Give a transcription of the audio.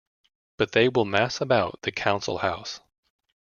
But they will mass about the Council House.